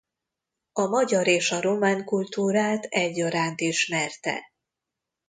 A magyar és a román kultúrát egyaránt ismerte.